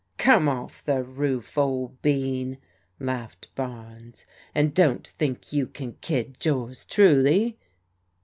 " Come off the roof, old bean," laughed Barnes, " and don't think you can kid yours truly."